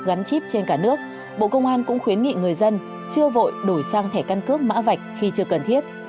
gắn chip trên cả nước bộ công an cũng khuyến nghị người dân chưa vội đổi sang thẻ căn cước mã vạch khi chưa cần thiết